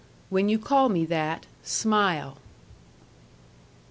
"WHEN YOU CALL ME THAT, SMILE!"